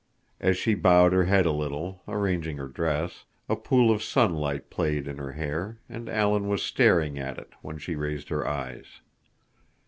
As she bowed her head a little, arranging her dress, a pool of sunlight played in her hair, and Alan was staring at it when she raised her eyes.